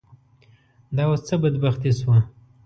دا اوس څه بدبختي شوه.